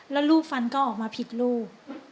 แล้วลูกฟันก็ออกมาผิดลูก